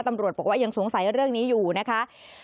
ตำรวจบอกว่ายังสงสัยเรื่องนี้อยู่นะคะ